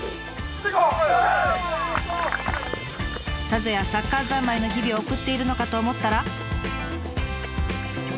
さぞやサッカー三昧の日々を送っているのかと思ったら。